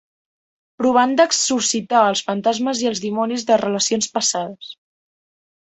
Provant d'exorcitzar els fantasmes i els dimonis de relacions passades.